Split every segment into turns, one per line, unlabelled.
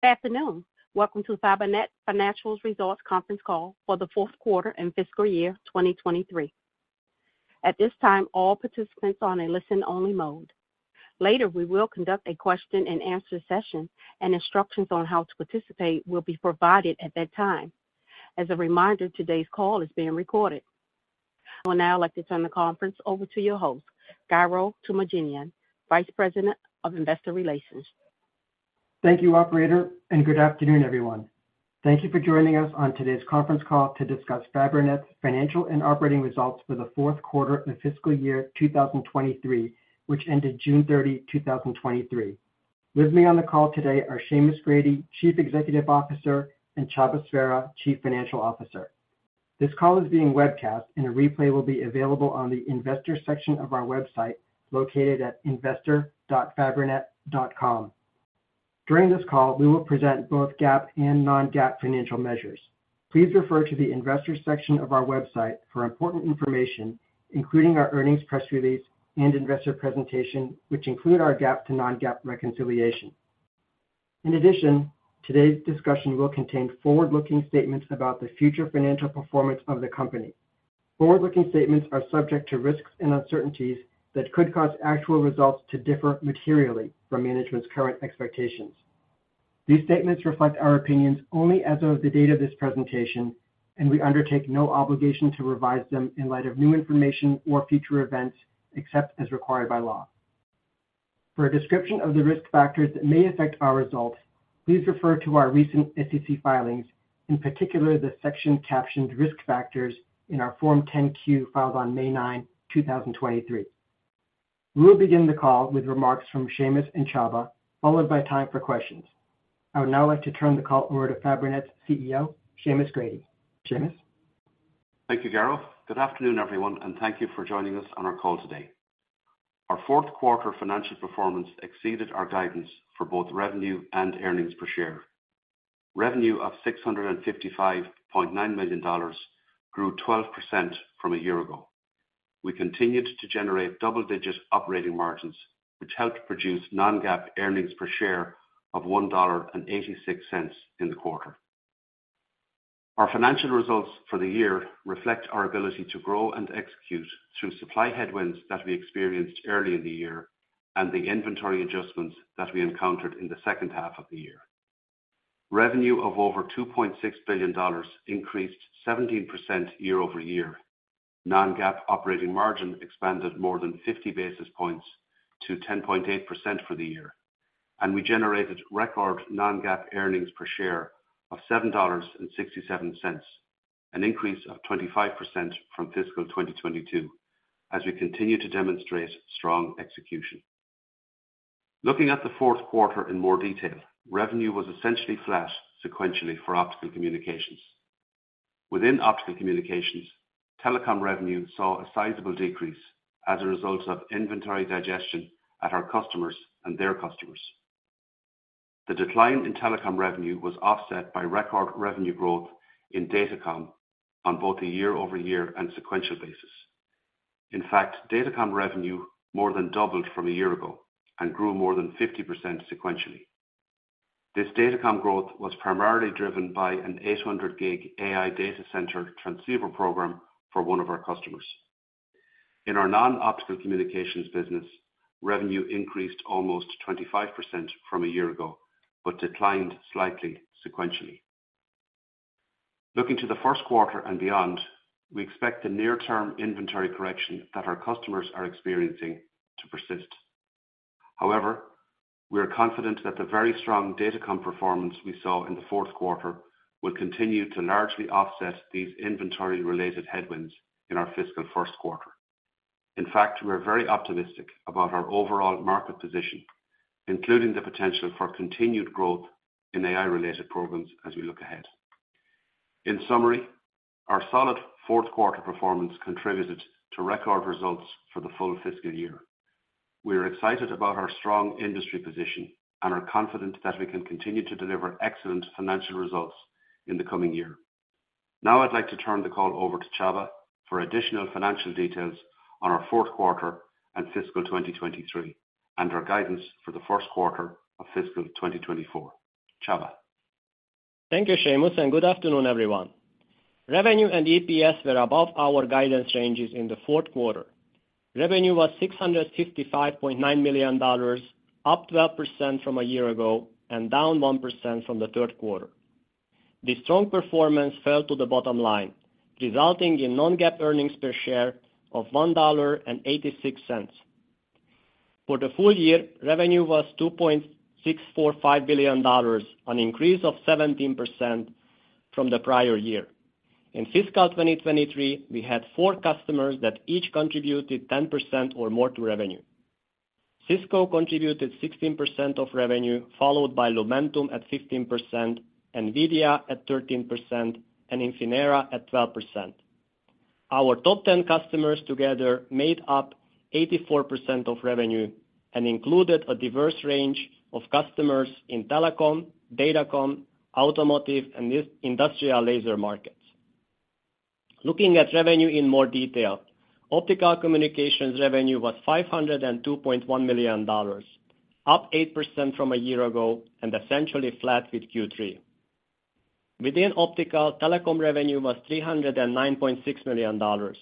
Good afternoon. Welcome to Fabrinet Financial Results Conference Call for the fourth quarter and fiscal year 2023. At this time, all participants are on a listen-only mode. Later, we will conduct a question-and-answer session, and instructions on how to participate will be provided at that time. As a reminder, today's call is being recorded. I would now like to turn the conference over to your host, Garo Toomajanian, Vice President of Investor Relations.
Thank you, operator, and good afternoon, everyone. Thank you for joining us on today's conference call to discuss Fabrinet's financial and operating results for the fourth quarter and the fiscal year 2023, which ended June 30, 2023. With me on the call today are Seamus Grady, Chief Executive Officer, and Csaba Sverha, Chief Financial Officer. This call is being webcast, and a replay will be available on the investor section of our website, located at investor.fabrinet.com. During this call, we will present both GAAP and non-GAAP financial measures. Please refer to the investor section of our website for important information, including our earnings press release and investor presentation, which include our GAAP to non-GAAP reconciliation. In addition, today's discussion will contain forward-looking statements about the future financial performance of the company. Forward-looking statements are subject to risks and uncertainties that could cause actual results to differ materially from management's current expectations. These statements reflect our opinions only as of the date of this presentation, and we undertake no obligation to revise them in light of new information or future events, except as required by law. For a description of the Risk Factors that may affect our results, please refer to our recent SEC filings, in particular, the section captioned Risk Factors in our Form 10-Q, filed on May 9, 2023. We will begin the call with remarks from Seamus and Csaba, followed by time for questions. I would now like to turn the call over to Fabrinet's CEO, Seamus Grady. Seamus?
Thank you, Garo. Good afternoon, everyone, and thank you for joining us on our call today. Our fourth quarter financial performance exceeded our guidance for both revenue and earnings per share. Revenue of $655.9 million grew 12% from a year ago. We continued to generate double-digit operating margins, which helped produce non-GAAP earnings per share of $1.86 in the quarter. Our financial results for the year reflect our ability to grow and execute through supply headwinds that we experienced early in the year, and the inventory adjustments that we encountered in the second half of the year. Revenue of over $2.6 billion increased 17% year-over-year. Non-GAAP operating margin expanded more than 50 basis points to 10.8% for the year, and we generated record non-GAAP earnings per share of $7.67, an increase of 25% from fiscal 2022, as we continue to demonstrate strong execution. Looking at the Q4 in more detail, revenue was essentially flat sequentially for Optical Communications. Within Optical Communications, telecom revenue saw a sizable decrease as a result of inventory digestion at our customers and their customers. The decline in telecom revenue was offset by record revenue growth in datacom on both a year-over-year and sequential basis. In fact, datacom revenue more than doubled from a year ago and grew more than 50% sequentially. This datacom growth was primarily driven by an 800G AI data center transceiver program for one of our customers. In our non-optical communications business, revenue increased almost 25% from a year ago, but declined slightly sequentially. Looking to the Q1 and beyond, we expect the near-term inventory correction that our customers are experiencing to persist. However, we are confident that the very strong datacom performance we saw in the Q4 will continue to largely offset these inventory-related headwinds in our fiscal Q1. In fact, we are very optimistic about our overall market position, including the potential for continued growth in AI-related programs as we look ahead. In summary, our solid Q4 performance contributed to record results for the full fiscal year. We are excited about our strong industry position and are confident that we can continue to deliver excellent financial results in the coming year. Now I'd like to turn the call over to Csaba for additional financial details on our fourth quarter and fiscal 2023, and our guidance for the first quarter of fiscal 2024. Csaba?
Thank you, Seamus, good afternoon, everyone. Revenue and EPS were above our guidance ranges in the fourth quarter. Revenue was $655.9 million, up 12% from a year ago and down 1% from the third quarter. This strong performance fell to the bottom line, resulting in non-GAAP earnings per share of $1.86. For the full year, revenue was $2.645 billion, an increase of 17% from the prior year. In fiscal 2023, we had four customers that each contributed 10% or more to revenue. Cisco contributed 16% of revenue, followed by Lumentum at 15%, NVIDIA at 13%, and Infinera at 12%. Our top 10 customers together made up 84% of revenue and included a diverse range of customers in telecom, datacom, automotive, and this industrial laser markets.... Looking at revenue in more detail, Optical Communications revenue was $502.1 million, up 8% from a year ago, essentially flat with Q3. Within optical, telecom revenue was $309.6 million,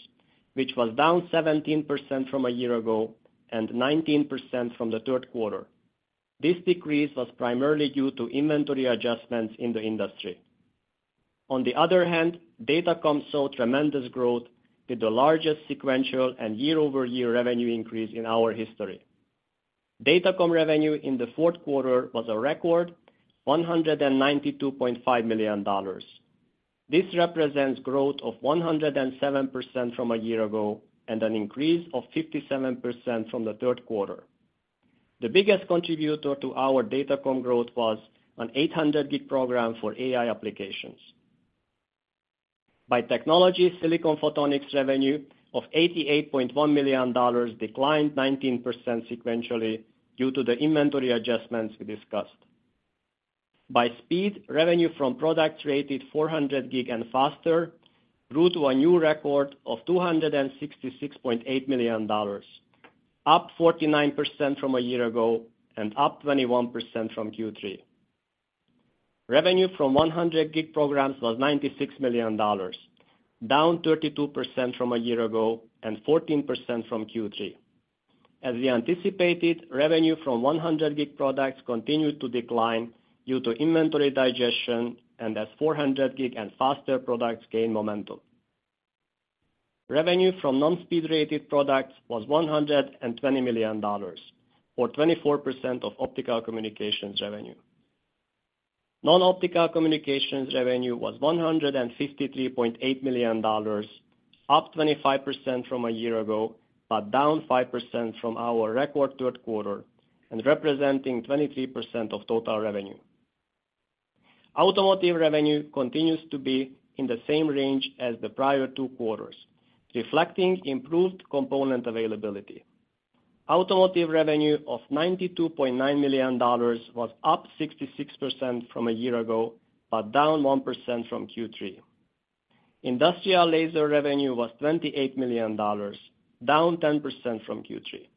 which was down 17% from a year ago and 19% from the third quarter. This decrease was primarily due to inventory adjustments in the industry. On the other hand, Datacom saw tremendous growth with the largest sequential and year-over-year revenue increase in our history. Datacom revenue in the fourth quarter was a record, $192.5 million. This represents growth of 107% from a year ago and an increase of 57% from the third quarter. The biggest contributor to our Datacom growth was an 800G program for AI applications. By technology, silicon photonics revenue of $88.1 million declined 19% sequentially due to the inventory adjustments we discussed. By speed, revenue from product rated 400G and faster grew to a new record of $266.8 million, up 49% from a year ago and up 21% from Q3. Revenue from 100G programs was $96 million, down 32% from a year ago and 14% from Q3. As we anticipated, revenue from 100G products continued to decline due to inventory digestion and as 400G and faster products gain momentum. Revenue from non-speed rated products was $120 million, or 24% of optical communications revenue. Non-Optical Communications revenue was $153.8 million, up 25% from a year ago, down 5% from our record third quarter and representing 23% of total revenue. Automotive revenue continues to be in the same range as the prior 2 quarters, reflecting improved component availability. Automotive revenue of $92.9 million was up 66% from a year ago, down 1% from Q3. Industrial laser revenue was $28 million, down 10% from Q3.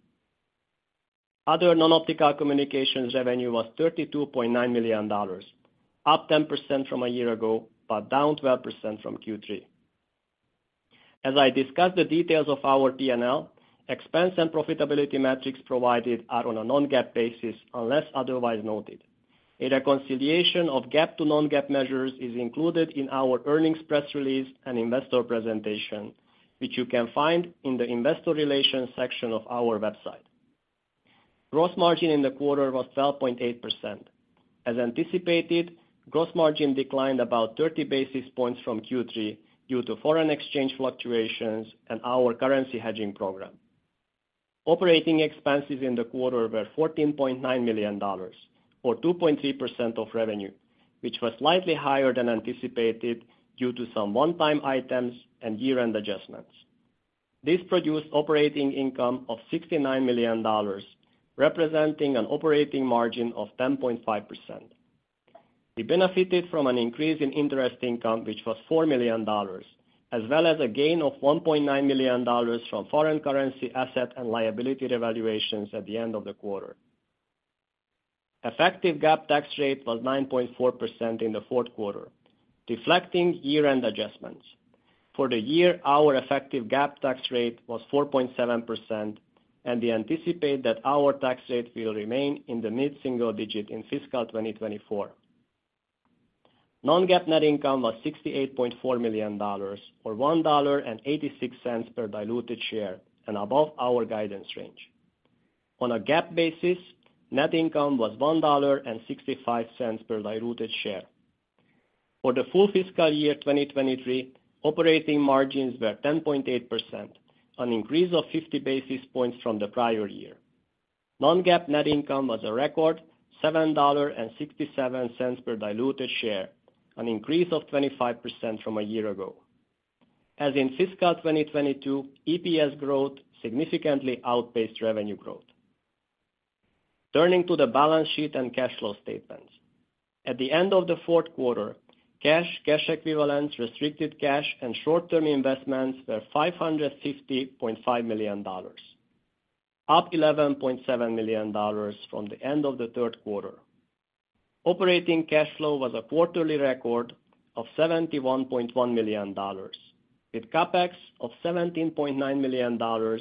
Other Non-Optical Communications revenue was $32.9 million, up 10% from a year ago, down 12% from Q3. As I discuss the details of our P&L, expense and profitability metrics provided are on a non-GAAP basis, unless otherwise noted. A reconciliation of GAAP to non-GAAP measures is included in our earnings press release and Investor Relations presentation, which you can find in the Investor Relations section of our website. Gross margin in the quarter was 12.8%. As anticipated, gross margin declined about 30 basis points from Q3 due to foreign exchange fluctuations and our currency hedging program. Operating expenses in the quarter were $14.9 million, or 2.3% of revenue, which was slightly higher than anticipated due to some one-time items and year-end adjustments. This produced operating income of $69 million, representing an operating margin of 10.5%. We benefited from an increase in interest income, which was $4 million, as well as a gain of $1.9 million from foreign currency asset and liability revaluations at the end of the quarter. Effective GAAP tax rate was 9.4% in the fourth quarter, deflecting year-end adjustments. For the year, our effective GAAP tax rate was 4.7%, and we anticipate that our tax rate will remain in the mid-single digit in fiscal 2024. Non-GAAP net income was $68.4 million, or $1.86 per diluted share, and above our guidance range. On a GAAP basis, net income was $1.65 per diluted share. For the full fiscal year 2023, operating margins were 10.8%, an increase of 50 basis points from the prior year. Non-GAAP net income was a record $7.67 per diluted share, an increase of 25% from a year ago. As in fiscal 2022, EPS growth significantly outpaced revenue growth. Turning to the balance sheet and cash flow statements. At the end of the fourth quarter, cash, cash equivalents, restricted cash, and short-term investments were $550.5 million, up $11.7 million from the end of the third quarter. Operating cash flow was a quarterly record of $71.1 million, with CapEx of $17.9 million,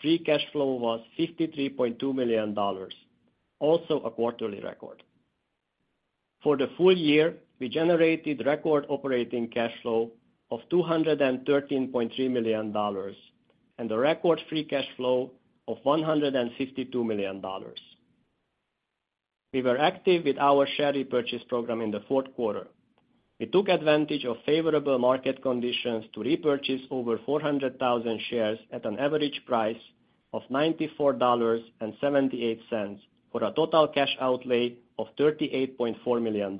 free cash flow was $53.2 million, also a quarterly record. For the full year, we generated record operating cash flow of $213.3 million and a record free cash flow of $152 million. We were active with our share repurchase program in the fourth quarter. We took advantage of favorable market conditions to repurchase over 400,000 shares at an average price of $94.78, for a total cash outlay of $38.4 million.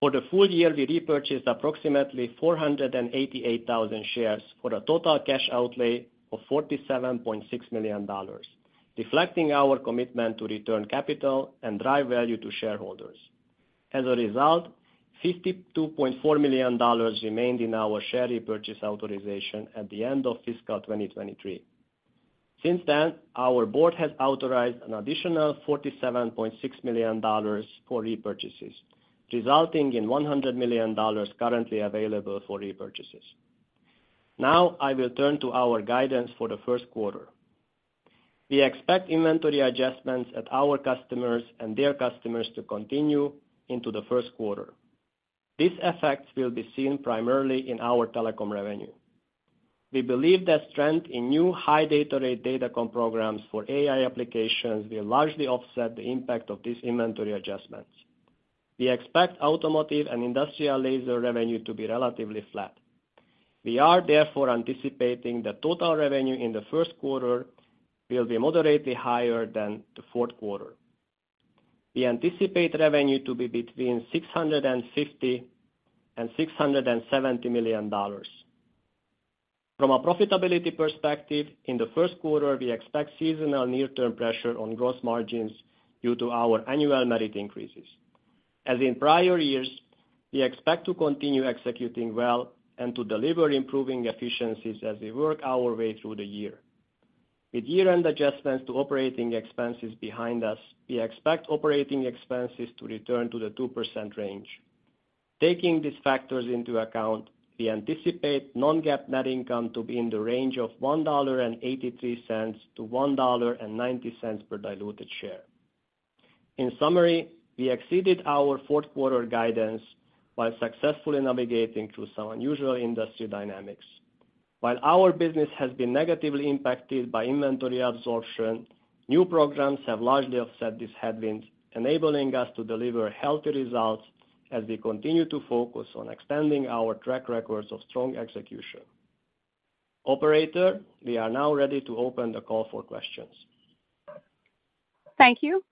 For the full year, we repurchased approximately 488,000 shares for a total cash outlay of $47.6 million, reflecting our commitment to return capital and drive value to shareholders. As a result, $52.4 million remained in our share repurchase authorization at the end of fiscal 2023. Since then, our board has authorized an additional $47.6 million for repurchases, resulting in $100 million currently available for repurchases. I will turn to our guidance for the first quarter. We expect inventory adjustments at our customers and their customers to continue into the first quarter. These effects will be seen primarily in our telecom revenue. We believe that strength in new high data rate datacom programs for AI applications will largely offset the impact of these inventory adjustments. We expect automotive and industrial laser revenue to be relatively flat. We are therefore anticipating the total revenue in the first quarter will be moderately higher than the fourth quarter. We anticipate revenue to be between 650 and $670 million. From a profitability perspective, in the first quarter, we expect seasonal near-term pressure on gross margins due to our annual merit increases. As in prior years, we expect to continue executing well and to deliver improving efficiencies as we work our way through the year. With year-end adjustments to operating expenses behind us, we expect operating expenses to return to the 2% range. Taking these factors into account, we anticipate non-GAAP net income to be in the range of $1.83-$1.90 per diluted share. In summary, we exceeded our fourth quarter guidance while successfully navigating through some unusual industry dynamics. While our business has been negatively impacted by inventory absorption, new programs have largely offset these headwinds, enabling us to deliver healthy results as we continue to focus on extending our track records of strong execution. Operator, we are now ready to open the call for questions.
Thank you.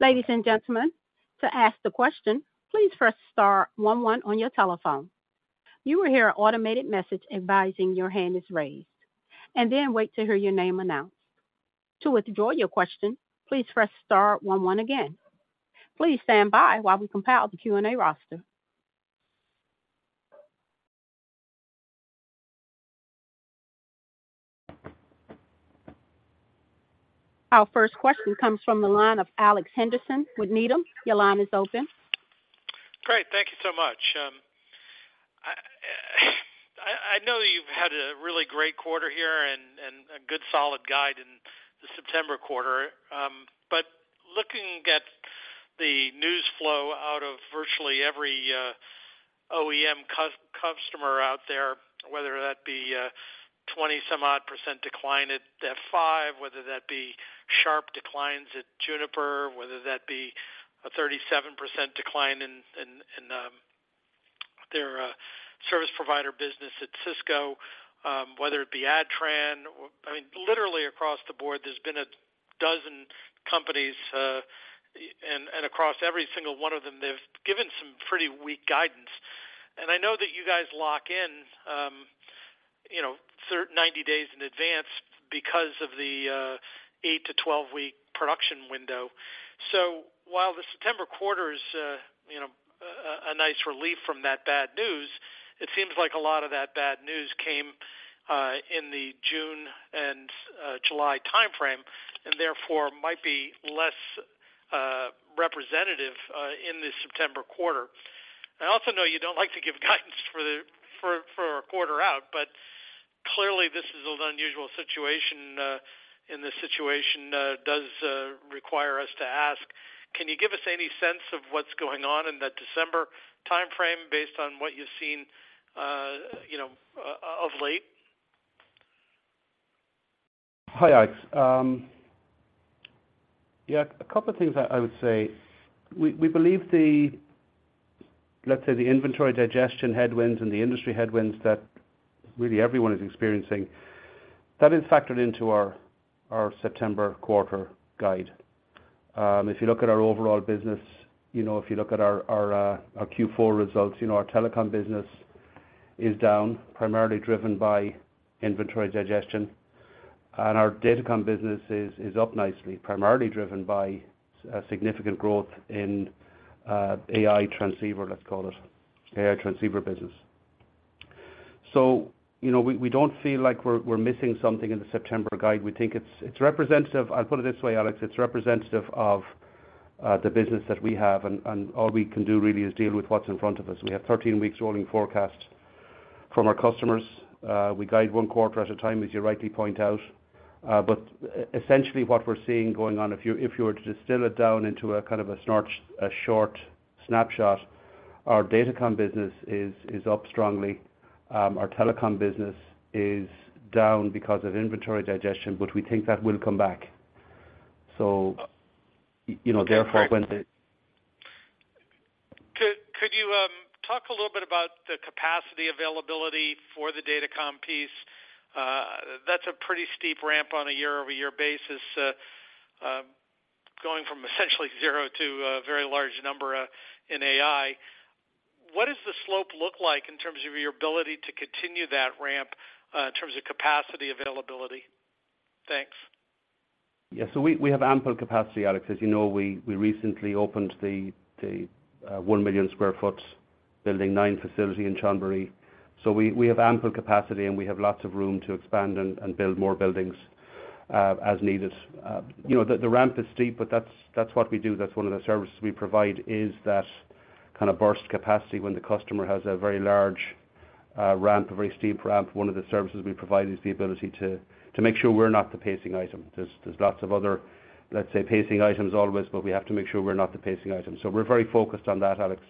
Ladies and gentlemen, to ask the question, please press star one one on your telephone. You will hear an automated message advising your hand is raised, and then wait to hear your name announced. To withdraw your question, please press star one one again. Please stand by while we compile the Q&A roster. Our first question comes from the line of Alex Henderson with Needham. Your line is open.
Great, thank you so much. I, I, I know you've had a really great quarter here and, and a good solid guide in the September quarter. Looking at the news flow out of virtually every OEM customer out there, whether that be 20% some odd decline at F5, whether that be sharp declines at Juniper, whether that be a 37% decline in, in, in their service provider business at Cisco, whether it be ADTRAN or... I mean, literally across the board, there's been 12 companies, and across every single one of them, they've given some pretty weak guidance. I know that you guys lock in, you know, 90 days in advance because of the eight-12 week production window. While the September quarter is, you know, a nice relief from that bad news, it seems like a lot of that bad news came in the June and July timeframe, and therefore might be less representative in the September quarter. I also know you don't like to give guidance for the quarter out, but clearly, this is an unusual situation, and the situation does require us to ask: Can you give us any sense of what's going on in that December timeframe based on what you've seen, you know, of late?
Hi, Alex. Yeah, a couple of things I, I would say. We, we believe the, let's say, the inventory digestion headwinds and the industry headwinds that really everyone is experiencing, that is factored into our, our September quarter guide. If you look at our overall business, you know, if you look at our, our Q4 results, you know, our telecom business is down, primarily driven by inventory digestion, and our datacom business is, is up nicely, primarily driven by a significant growth in AI transceiver, let's call it, AI transceiver business. You know, we, we don't feel like we're, we're missing something in the September guide. We think it's, it's representative. I'll put it this way, Alex, it's representative of the business that we have, and, and all we can do really is deal with what's in front of us. We have 13 weeks rolling forecast from our customers. We guide 1 quarter at a time, as you rightly point out. But essentially what we're seeing going on, if you, if you were to distill it down into a kind of a short snapshot, our datacom business is, is up strongly. Our telecom business is down because of inventory digestion, but we think that will come back. You know, therefore when the-
Could, could you talk a little bit about the capacity availability for the datacom piece? That's a pretty steep ramp on a year-over-year basis, going from essentially 0 to a very large number in AI. What does the slope look like in terms of your ability to continue that ramp in terms of capacity availability? Thanks....
Yeah, we, we have ample capacity, Alex. As you know, we, we recently opened the, the, 1 million square foot building 9 facility in Chonburi. We, we have ample capacity, and we have lots of room to expand and, and build more buildings, as needed. You know, the, the ramp is steep, but that's, that's what we do. That's one of the services we provide, is that kind of burst capacity when the customer has a very large, ramp, a very steep ramp. One of the services we provide is the ability to, to make sure we're not the pacing item. There's, there's lots of other, let's say, pacing items always, but we have to make sure we're not the pacing item. We're very focused on that, Alex,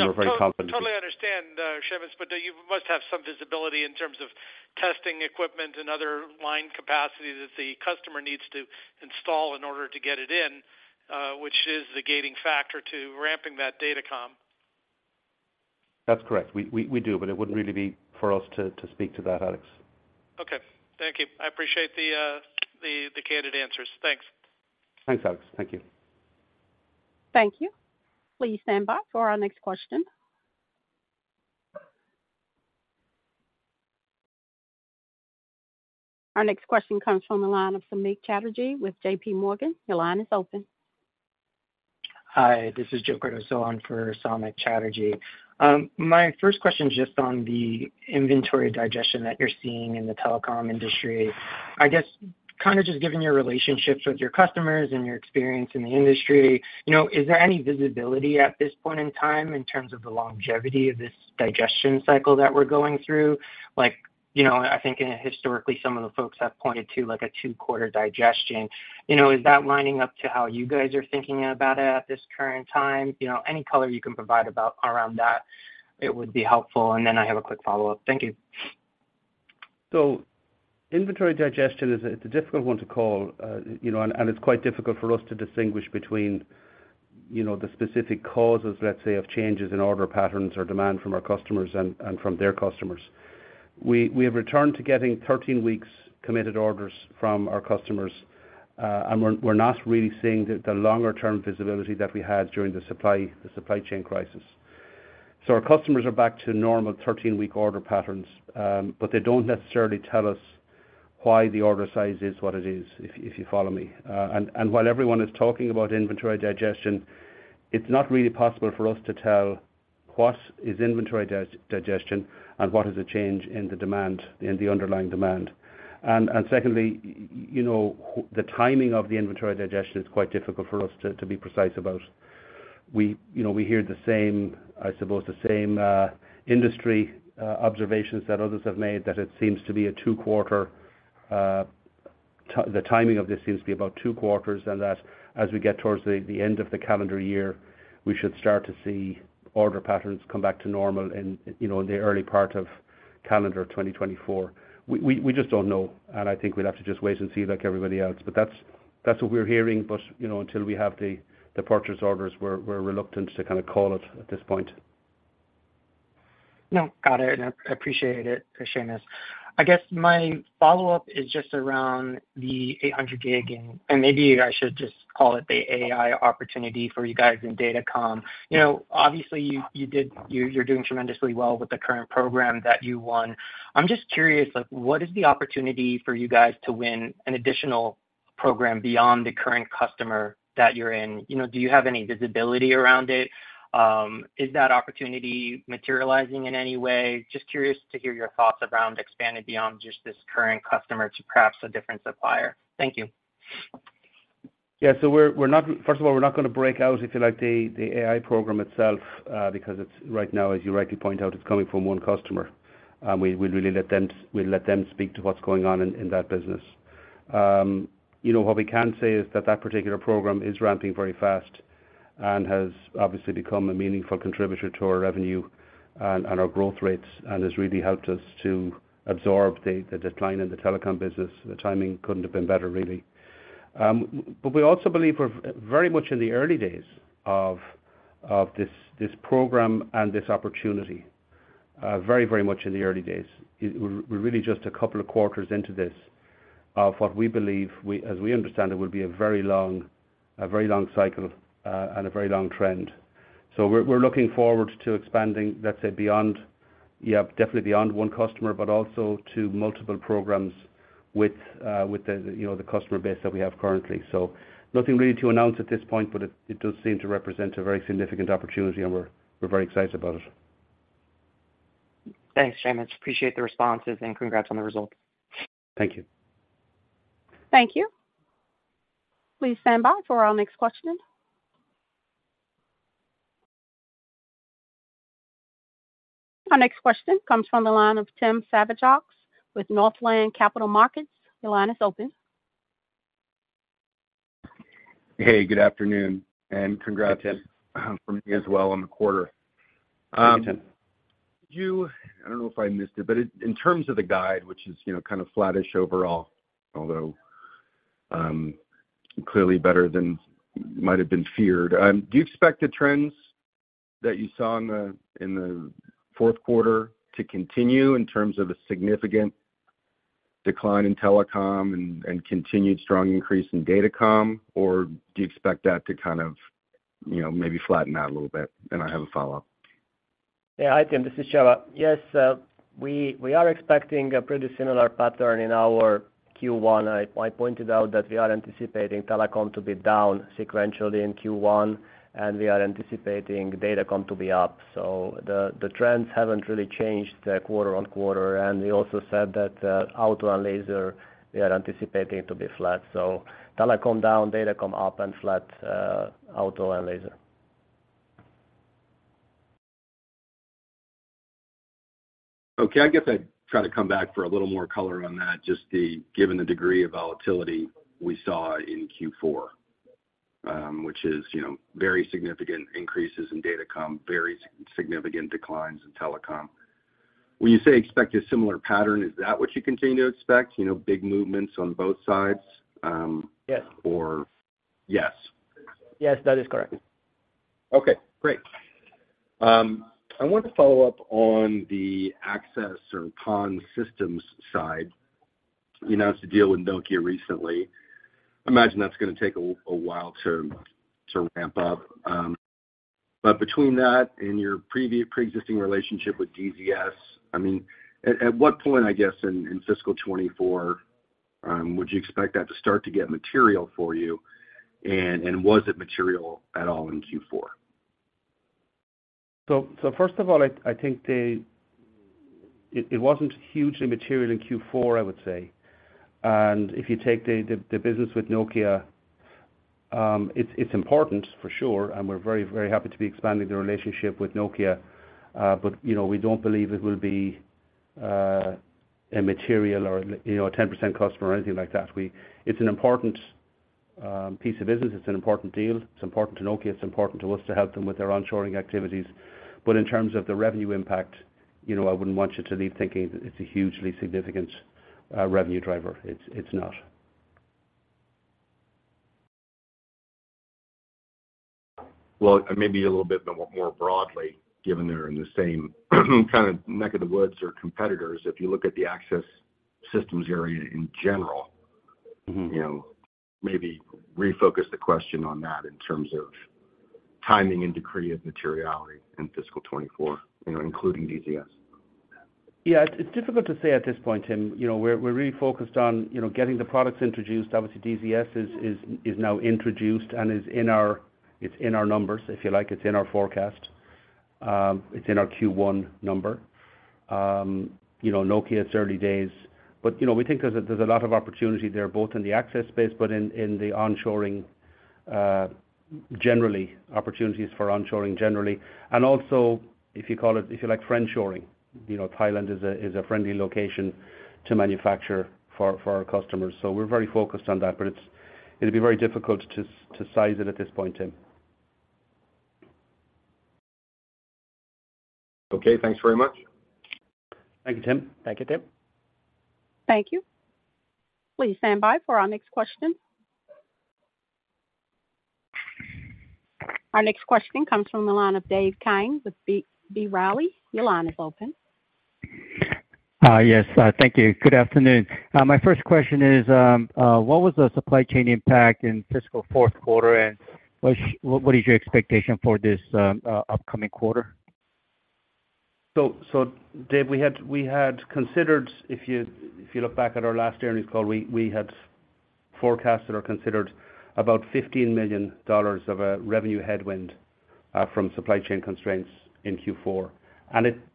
and we're very confident.
Totally understand, Seamus, but you must have some visibility in terms of testing equipment and other line capacity that the customer needs to install in order to get it in, which is the gating factor to ramping that datacom.
That's correct. We, we, we do, but it wouldn't really be for us to, to speak to that, Alex.
Okay. Thank you. I appreciate the, the, the candid answers. Thanks.
Thanks, Alex. Thank you.
Thank you. Please stand by for our next question. Our next question comes from the line of Samik Chatterjee with JP Morgan. Your line is open.
Hi, this is Joe Cardoso on for Samik Chatterjee. My first question is just on the inventory digestion that you're seeing in the telecom industry. I guess, kind of just given your relationships with your customers and your experience in the industry, you know, is there any visibility at this point in time in terms of the longevity of this digestion cycle that we're going through? Like, you know, I think historically some of the folks have pointed to like a two-quarter digestion. You know, is that lining up to how you guys are thinking about it at this current time? You know, any color you can provide about around that, it would be helpful, and then I have a quick follow-up. Thank you.
Inventory digestion is a, it's a difficult one to call, you know, and, and it's quite difficult for us to distinguish between, you know, the specific causes, let's say, of changes in order patterns or demand from our customers and, and from their customers. We, we have returned to getting 13 weeks committed orders from our customers, and we're, we're not really seeing the, the longer term visibility that we had during the supply, the supply chain crisis. Our customers are back to normal 13-week order patterns, but they don't necessarily tell us why the order size is what it is, if, if you follow me. And, and while everyone is talking about inventory digestion, it's not really possible for us to tell what is inventory digestion and what is a change in the demand, in the underlying demand. secondly, you know, the timing of the inventory digestion is quite difficult for us to be precise about. We, you know, we hear the same, I suppose, the same industry observations that others have made, that it seems to be a two quarter, the timing of this seems to be about two quarters, and that as we get towards the end of the calendar year, we should start to see order patterns come back to normal in, you know, in the early part of calendar 2024. We, we, we just don't know, and I think we'll have to just wait and see like everybody else. That's, that's what we're hearing, but, you know, until we have the purchase orders, we're reluctant to kind of call it at this point.
No, got it. I appreciate it, Seamus. I guess my follow-up is just around the 800G, and maybe I should just call it the AI opportunity for you guys in datacom. You know, obviously, you, you did... You're doing tremendously well with the current program that you won. I'm just curious, like, what is the opportunity for you guys to win an additional program beyond the current customer that you're in? You know, do you have any visibility around it? Is that opportunity materializing in any way? Just curious to hear your thoughts around expanding beyond just this current customer to perhaps a different supplier. Thank you.
Yeah, we're not first of all, we're not going to break out, if you like, the AI program itself, because it's right now, as you rightly point out, it's coming from one customer, and we, we really let them, we let them speak to what's going on in that business. You know, what we can say is that that particular program is ramping very fast and has obviously become a meaningful contributor to our revenue and our growth rates and has really helped us to absorb the decline in the telecom business. The timing couldn't have been better, really. We also believe we're very much in the early days of this program and this opportunity. Very, very much in the early days. We're, we're really just a couple of quarters into this, of what we believe, we, as we understand, it will be a very long, a very long cycle, and a very long trend. We're, we're looking forward to expanding, let's say, beyond, yeah, definitely beyond one customer, but also to multiple programs with, with the, you know, the customer base that we have currently. Nothing really to announce at this point, but it, it does seem to represent a very significant opportunity, and we're, we're very excited about it.
Thanks, Seamus. Appreciate the responses and congrats on the results.
Thank you.
Thank you. Please stand by for our next question. Our next question comes from the line of Tim Savageaux with Northland Capital Markets. Your line is open.
Hey, good afternoon, and congrats-
Hey, Tim.
from me as well on the quarter.
Thank you, Tim.
Did you... I don't know if I missed it, but in, in terms of the guide, which is, you know, kind of flattish overall, although, clearly better than might have been feared, do you expect the trends that you saw in the, in the fourth quarter to continue in terms of a significant decline in telecom and, and continued strong increase in datacom, or do you expect that to kind of, you know, maybe flatten out a little bit? I have a follow-up.
Yeah, hi, Tim, this is Shiva. Yes, we, we are expecting a pretty similar pattern in our Q1. I, I pointed out that we are anticipating telecom to be down sequentially in Q1, and we are anticipating datacom to be up. The trends haven't really changed, quarter-on-quarter. We also said that, auto and laser, we are anticipating to be flat. Telecom down, datacom up, and flat, auto and laser.
Okay, I guess I'd try to come back for a little more color on that. Just given the degree of volatility we saw in Q4, which is, you know, very significant increases in datacom, very significant declines in telecom. When you say expect a similar pattern, is that what you continue to expect? You know, big movements on both sides?
Yes.
Yes.
Yes, that is correct.
Okay, great. I want to follow up on the access or PON systems side. You announced a deal with Nokia recently. I imagine that's gonna take a, a while to, to ramp up, but between that and your preexisting relationship with DZS, I mean, at, at what point, I guess, in, in fiscal 2024, would you expect that to start to get material for you? Was it material at all in Q4?
First of all, I think it wasn't hugely material in Q4, I would say. If you take the business with Nokia, it's important for sure, and we're very, very happy to be expanding the relationship with Nokia. You know, we don't believe it will be a material or, you know, a 10% customer or anything like that. It's an important piece of business. It's an important deal. It's important to Nokia. It's important to us to help them with their onshoring activities. In terms of the revenue impact, you know, I wouldn't want you to leave thinking that it's a hugely significant revenue driver. It's not.
Well, maybe a little bit more broadly, given they're in the same kind of neck of the woods or competitors. If you look at the access systems area in general...
Mm-hmm.
you know, maybe refocus the question on that in terms of timing and degree of materiality in fiscal 2024, you know, including DZS.
Yeah, it's difficult to say at this point, Tim. You know, we're, we're really focused on, you know, getting the products introduced. Obviously, DZS is, is, is now introduced and is in our, it's in our numbers, if you like. It's in our forecast. It's in our Q1 number. You know, Nokia, it's early days, but, you know, we think there's a, there's a lot of opportunity there, both in the access space, but in, in the onshoring, generally, opportunities for onshoring generally. Also, if you call it, if you like, friendshoring. You know, Thailand is a, is a friendly location to manufacture for, for our customers. We're very focused on that, but it's, it'd be very difficult to, to size it at this point, Tim.
Okay. Thanks very much.
Thank you, Tim.
Thank you, Tim.
Thank you. Please stand by for our next question. Our next question comes from the line of Dave Kang with B. Riley. Your line is open.
Yes, thank you. Good afternoon. My first question is, what was the supply chain impact in fiscal fourth quarter, and what, what is your expectation for this upcoming quarter?
Dave, we had considered, if you look back at our last earnings call, we had forecasted or considered about $15 million of a revenue headwind from supply chain constraints in Q4.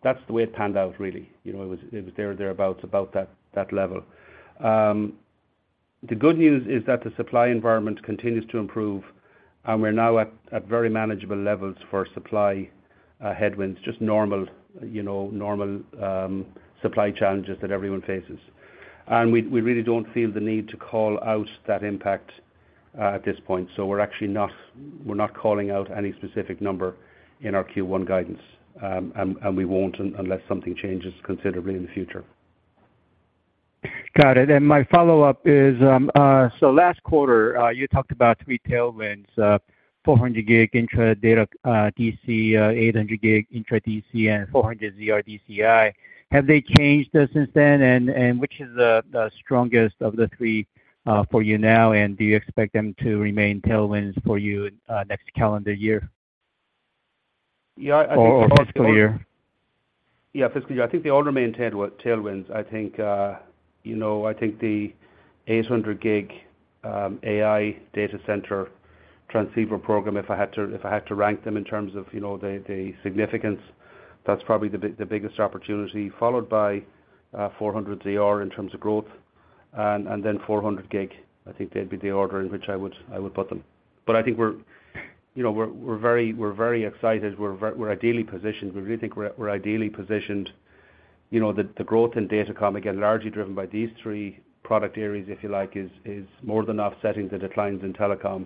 That's the way it panned out, really. You know, it was there or there about that level. The good news is that the supply environment continues to improve, and we're now at very manageable levels for supply headwinds. Just normal, you know, normal supply challenges that everyone faces. We really don't feel the need to call out that impact at this point. We're actually not calling out any specific number in our Q1 guidance. We won't unless something changes considerably in the future.
Got it. My follow-up is, so last quarter, you talked about 3 tailwinds, 400G intra-data DCI, 800G intra-DCI, and 400ZR DCI. Have they changed since then? Which is the strongest of the three, for you now, and do you expect them to remain tailwinds for you, next calendar year?
Yeah, I think-
fiscal year.
Yeah, fiscal year. I think they all remain tailwinds. I think, you know, I think the 800G AI data center transceiver program, if I had to, if I had to rank them in terms of, you know, the, the significance, that's probably the biggest opportunity, followed by 400ZR in terms of growth, and, and then 400G. I think that'd be the order in which I would, I would put them. I think we're, you know, we're, we're very, we're very excited. We're ideally positioned. We really think we're, we're ideally positioned. You know, the, the growth in datacom, again, largely driven by these three product areas, if you like, is, is more than offsetting the declines in telecom.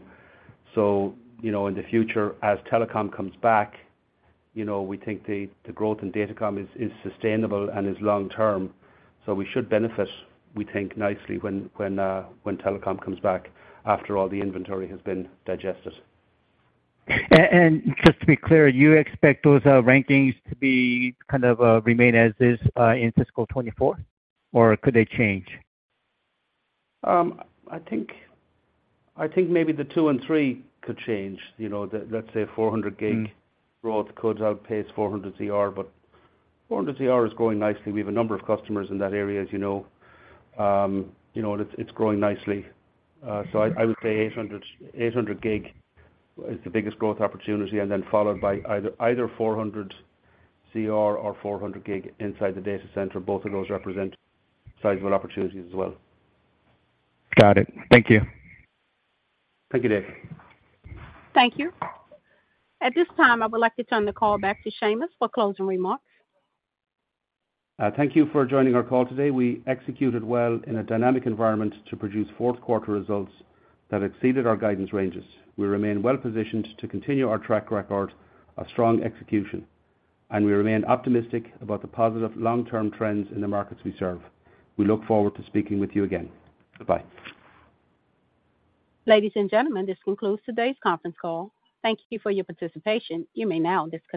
You know, in the future, as telecom comes back, you know, we think the, the growth in datacom is, is sustainable and is long term. We should benefit, we think, nicely when, when, when telecom comes back, after all the inventory has been digested.
Just to be clear, you expect those rankings to be kind of, remain as is, in fiscal 24, or could they change?
I think, I think maybe the 2 and 3 could change. You know, the let's say 400G growth could outpace 400ZR, but 400ZR is growing nicely. We have a number of customers in that area, as you know. You know, it's, it's growing nicely. I would say 800G, 800G is the biggest growth opportunity, and then followed by either, either 400 or 400G inside the data center. Both of those represent sizable opportunities as well.
Got it. Thank you.
Thank you, Dave.
Thank you. At this time, I would like to turn the call back to Seamus for closing remarks.
Thank you for joining our call today. We executed well in a dynamic environment to produce fourth quarter results that exceeded our guidance ranges. We remain well positioned to continue our track record of strong execution, and we remain optimistic about the positive long-term trends in the markets we serve. We look forward to speaking with you again. Goodbye.
Ladies and gentlemen, this concludes today's conference call. Thank you for your participation. You may now disconnect.